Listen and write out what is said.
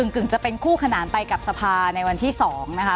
กึ่งจะเป็นคู่ขนานไปกับสภาในวันที่๒นะคะ